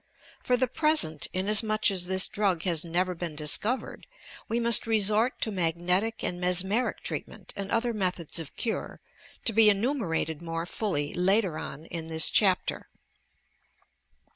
For the present, inasmuch as this drug has never been discovered, we must resort to magnetic and mesmeric treatment and other methods of cure, to be enumerated more fully later on in this chapter.